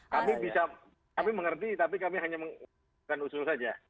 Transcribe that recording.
kami bisa kami mengerti tapi kami hanya mengusul saja